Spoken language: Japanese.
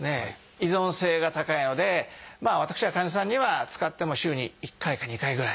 依存性が高いので私は患者さんには使っても週に１回か２回ぐらい。